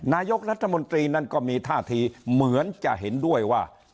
นายกรัฐมนตรีนั้นก็มีท่าทีเหมือนจะเห็นด้วยว่า